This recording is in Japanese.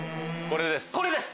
これです。